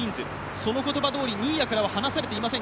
その言葉どおり、新谷からは離されていません。